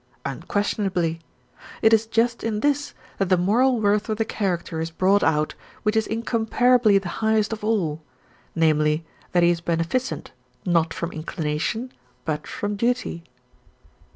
Unquestionably. It is just in this that the moral worth of the character is brought out which is incomparably the highest of all, namely, that he is beneficent, not from inclination, but from duty.